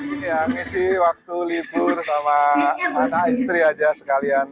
ini habis sih waktu libur sama anak istri aja sekalian